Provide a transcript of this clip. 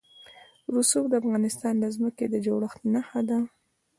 رسوب د افغانستان د ځمکې د جوړښت نښه ده.